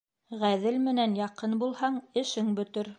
Ғәҙел менән яҡын булһаң, эшең бөтөр